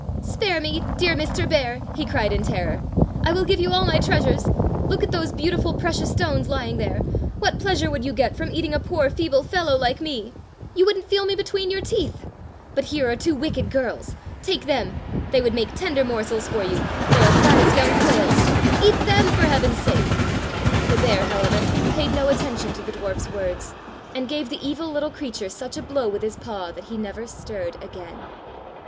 "Spare me, dear Mr. Bear," he cried in terror. "I will give you all my treasures. Look at those beautiful precious stones lying there. What pleasure would you get from eating a poor, feeble little fellow like 46 Fairy Tale Bears me? You would n't feel me between your teeth. But here are two wicked girls — take them. They would make tender morsels for you. They are fat as young quails. Eat them, for heaven's sake." The bear, however, paid no attention to the dwarf's words, and gave the evil little creature such a blow with his paw that he never stirred again.